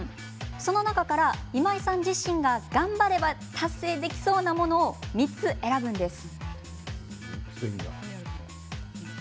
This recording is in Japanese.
その中から今井さん自身が頑張れば達成できそうなものを３つ選ぶんです。